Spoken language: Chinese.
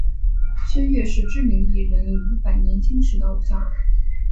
薛岳是知名艺人伍佰年轻时的偶像。